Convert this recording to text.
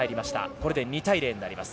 これで２対０になります。